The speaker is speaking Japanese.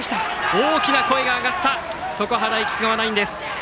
大きな声が上がった常葉大菊川ナインです。